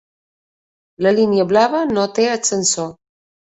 La Línia Blava no té ascensor.